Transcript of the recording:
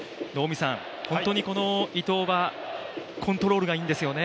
本当にこの伊藤はコントロールがいいんですよね。